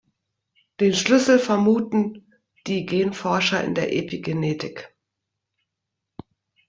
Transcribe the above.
Den Schlüssel vermuten die Genforscher in der Epigenetik.